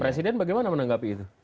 presiden bagaimana menanggapi itu